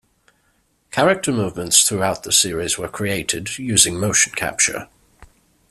Character movements throughout the series were created using motion capture.